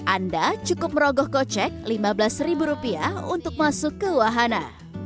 anda cukup merogoh kocek lima belas ribu rupiah untuk masuk ke wahana